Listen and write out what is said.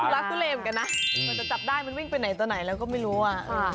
รักทุเลเหมือนกันนะกว่าจะจับได้มันวิ่งไปไหนต่อไหนแล้วก็ไม่รู้อ่ะ